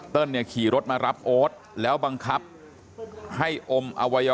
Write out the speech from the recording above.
ต้นในขี่รถมารับโอ๊ทแล้วบังคับให้ม่ะ